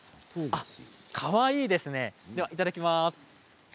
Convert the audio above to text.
かわいいですね、いただきます。